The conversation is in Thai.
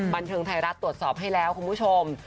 บันเทิงไทยรัฐตรวจสอบให้แล้วคุณผู้ชม